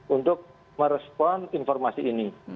untuk merespon informasi ini